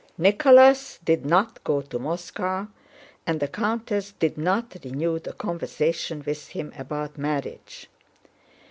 Nicholas did not go to Moscow, and the countess did not renew the conversation with him about marriage.